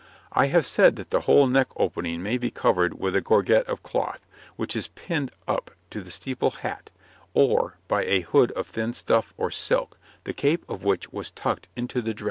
I have said that the whole neck opening may be covered by a gorget of cloth, which was pinned up to the steeple hat, or by a hood of thin stuff or silk, the cape of which was tucked into the dress.